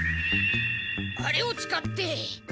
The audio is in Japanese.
あれを使って。